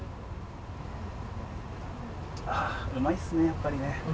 あー、うまいっすね、やっぱりね。